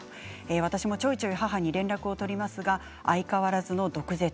私もちょいちょい母に連絡を取りますが相変わらずの毒舌